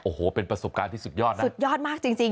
โอ้โหเป็นประสบการณ์ที่สุดยอดนะสุดยอดมากจริง